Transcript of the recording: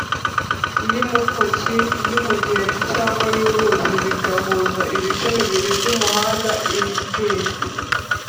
y’umukoki, y’umugezi cyangwa y’uruzi bigahuza ibice bibiri by’umuhanda; ipȋida,